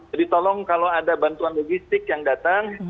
tolong kalau ada bantuan logistik yang datang